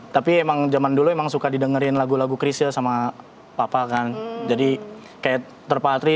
tapi emang zaman dulu emang suka didengerin lagu lagu krisel sama papa kan jadi kayak terpatri